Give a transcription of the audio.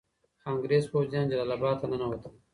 انګریز پوځیان جلال اباد ته ننوتل.